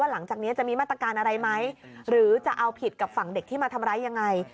หลังจากนี้จะมีมาตรการอะไรไหมหรือจะเอาผิดกับฝั่งเด็กที่มาทำร้ายยังไง